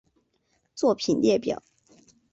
作品列表